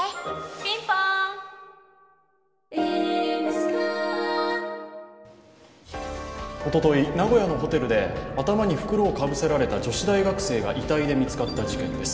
ピンポーンおととい、名古屋のホテルで頭に袋をかぶられた女子大学生が遺体が見つかった事件です。